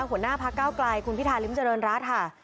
หัวหน้าพักเก้าไกลคุณพิธาริมเจริญรัฐค่ะ